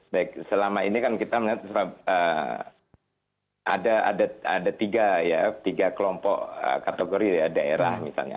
baik selama ini kan kita melihat ada tiga ya tiga kelompok kategori daerah misalnya